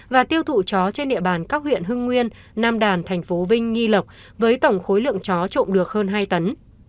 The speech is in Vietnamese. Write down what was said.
và tiêu thụ chó trên địa bàn các huyện hưng nguyên nam đàn thành phố vinh nghi lộc với tổng khối lượng chó trộn được hơn hai tấn